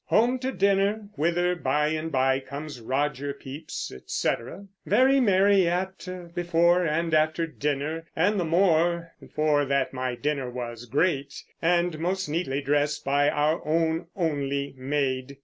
Home to dinner, whither by and by comes Roger Pepys, etc. Very merry at, before, and after dinner, and the more for that my dinner was great, and most neatly dressed by our owne only mayde.